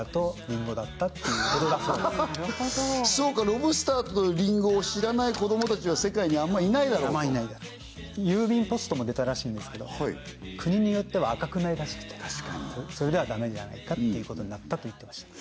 ロブスターとリンゴを知らない子どもたちは世界にあんまいないだろうと郵便ポストも出たらしいんですけど国によっては赤くないらしくて確かにそれではダメじゃないかっていうことになったと言ってました